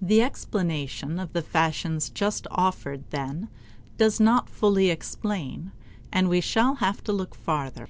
The explanation of the fashions just offered, then, does not fully explain, and we shall have to look farther.